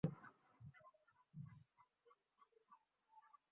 দেশি শাড়ির প্রতি আগ্রহ বাড়ে যখন বস্ত্র প্রকৌশল নিয়ে পড়াশোনা করি।